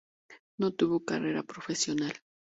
No tuvo carrera profesional.